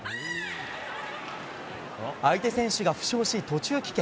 相手選手が負傷し途中棄権。